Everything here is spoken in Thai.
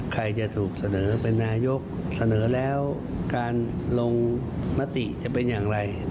ใครจะถูกเสนอเป็นนายกเสนอแล้วการลงมติจะเป็นอย่างไร